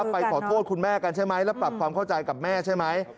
ไปขอโทษคุณแม่กันใช่ไหมแล้วปรับความเข้าใจกับแม่ใช่ไหม